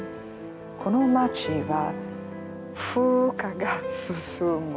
この町は風化が進む。